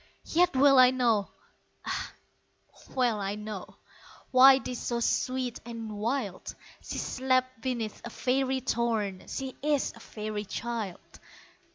Yet well I know, ah, well I know Why 'tis so sweet and wild She slept beneath a faery thorn, She is a faery child!